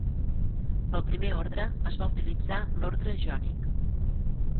Pel primer ordre, es va utilitzar l'ordre jònic.